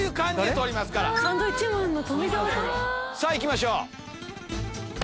さぁいきましょう。